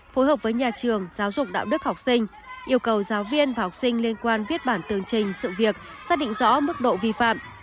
phối hợp với nhà trường giáo dục đạo đức học sinh yêu cầu giáo viên và học sinh liên quan viết bản tường trình sự việc xác định rõ mức độ vi phạm